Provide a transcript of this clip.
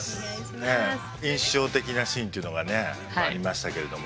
印象的なシーンっていうのがねありましたけれども。